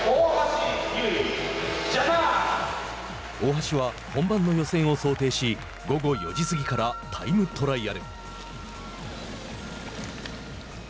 大橋は本番の予選を想定し午後４時過ぎからタイムトライアル。